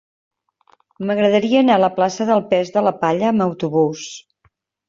M'agradaria anar a la plaça del Pes de la Palla amb autobús.